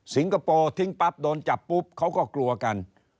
คโปร์ทิ้งปั๊บโดนจับปุ๊บเขาก็กลัวกัน